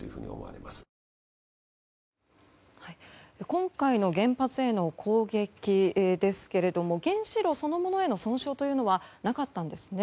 今回の原発への攻撃ですが原子炉そのものへの損傷というのはなかったんです。